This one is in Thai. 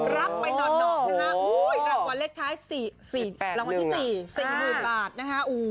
รับไปหนดรางความเลขคล้าย๑๔๐๐๐บาทนะฮะ